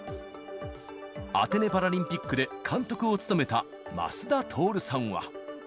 アテネパラリンピックで監督を務めた増田徹さんは。